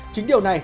chính điều này